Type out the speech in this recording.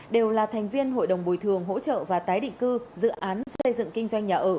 đều là thành viên hội đồng bồi thường hỗ trợ và tái định cư dự án xây dựng kinh doanh nhà ở